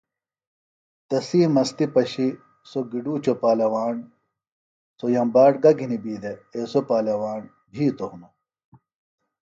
تسی مستی پشیۡ سوۡ گِڈوچوۡ پالواݨ، سوۡ یمباٹ گہ گِھنیۡ بی دےۡ ایسوۡ پالواݨ بِھیتوۡ ہِنوۡ